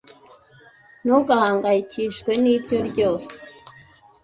Ntugahangayikishwe nibyo ryose